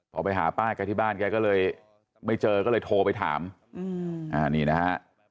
พอไปหาป้าแกที่บ้านแกก็เลยไม่เจอก็เลยโทรไปถามนี่นะฮะ